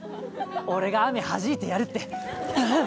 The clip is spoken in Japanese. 俺が雨はじいてやるって。